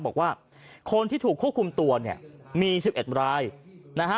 บอกว่าคนที่ถูกควบคุมตัวเนี่ยมี๑๑รายนะฮะ